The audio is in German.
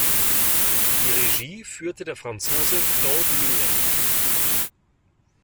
Die Regie führte der Franzose Claude Miller.